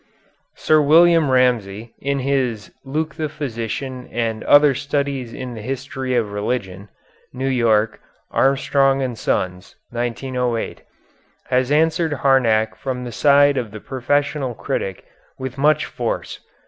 Sir William Ramsay, in his "Luke the Physician and Other Studies in the History of Religion" (New York: Armstrong and Sons, 1908), has answered Harnack from the side of the professional critic with much force.